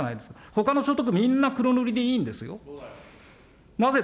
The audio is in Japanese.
ほかの所得、みんな黒塗りでいいんですよ。